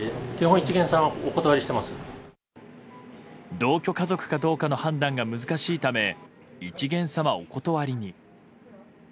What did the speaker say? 同居家族かどうかの判断が難しいため一見様お断りに。